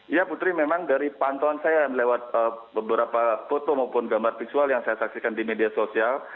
ya putri memang dari pantauan saya lewat beberapa foto maupun gambar visual yang saya saksikan di media sosial